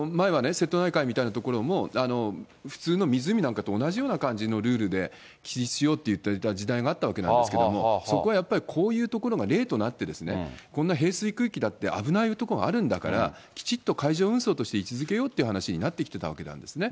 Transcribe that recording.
前はね、瀬戸内海みたいな所も、普通の湖なんかと同じような感じのルールで、やろうっていうこともあったんですけどそこはやっぱり、こういうところが例となって、こんな平水区域だって危ない所があるんだから、きちっと海上運送として位置づけようという話になってきてたわけなんですね。